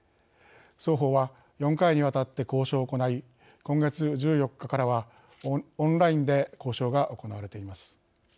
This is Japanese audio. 双方は４回にわたって交渉を行い今月１４日からはオンラインで交渉が行われています。